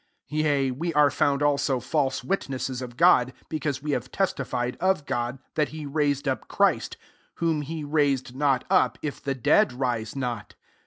15 Yea, we are found also fabe witnesses of €k>d ; because we have testified c^ God, that he raised up Christ ; whom he raised npt up, if the dead rise not.